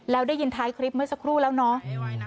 แล้วได้ยินท้ายคลิปเมื่อสักครู่แล้วเนาะ